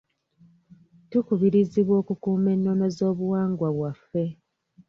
Tukubirizibwa okukuuma enono z'obuwangwa bwaffe.